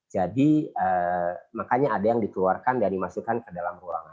jadi makanya ada yang dikeluarkan dan dimasukkan ke dalam ruangan